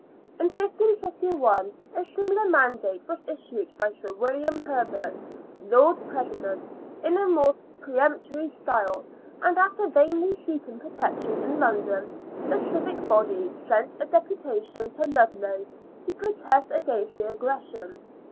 In 1551 a similar mandate was issued by Sir William Herbert, Lord President, in a more peremptory style, and after vainly seeking protection in London, the civic body sent a deputation to Ludlow to protest against the aggression.